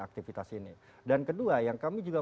aktivitas ini dan kedua yang kami juga